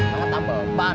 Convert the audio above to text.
banyak tampel ban